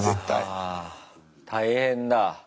あ大変だ。